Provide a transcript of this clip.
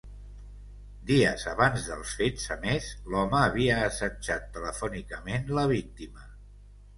Dies abans dels fets, a més, l’home havia assetjant telefònicament la víctima.